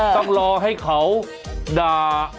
ต้องรอให้เขาด่า